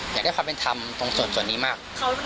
อยากได้ความเป็นธรรมตรงส่วนนี้มาก